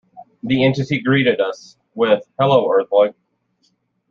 The entity greeted us with "hello earthling".